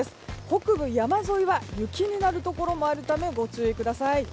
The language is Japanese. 北部山沿いは雪になるところもあるためご注意ください。